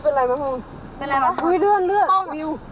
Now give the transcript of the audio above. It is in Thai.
เป็นไรปะค่ะข้อมูลฟิน่าโว้ยเรื่องเลือดวิว